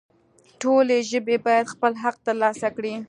ټولې ژبې باید خپل حق ترلاسه کړي